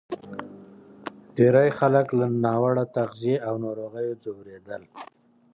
ډېری خلک له ناوړه تغذیې او ناروغیو ځورېدل.